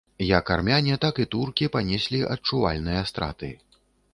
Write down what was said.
Як армяне, так і туркі панеслі адчувальныя страты.